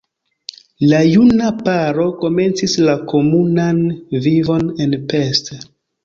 La juna paro komencis la komunan vivon en Pest.